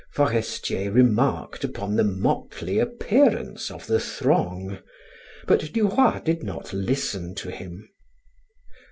Forestier remarked upon the motley appearance of the throng, but Duroy did not listen to him.